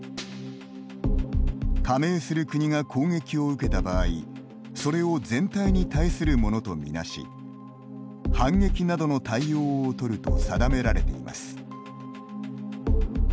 加盟する国が攻撃を受けた場合それを全体に対するものとみなし反撃などの対応を取ると定められています。